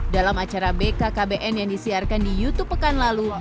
dalam acara bkkbn yang disiarkan di youtube pekan lalu